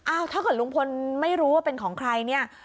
ถ้าเกิดลุงพลไม่รู้ว่าเป็นของใครเนี่ย